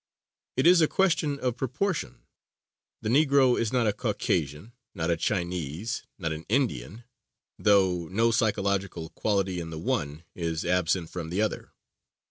It is a question of proportion. The Negro is not a Caucasian, not a Chinese, not an Indian; though no psychological quality in the one is absent from the other.